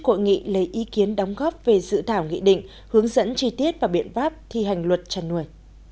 cội nghị lấy ý kiến đóng góp về dự thảo nghị định hướng dẫn chi tiết và biện pháp thi hành luật chăn nuôi